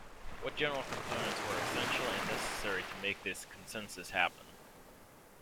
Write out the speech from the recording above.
What general components were essential and necessary to make this consensus happen?